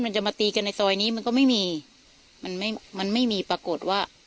มันจะมาตีกันในซอยนี้มันก็ไม่มีมันไม่มันไม่มีปรากฏว่า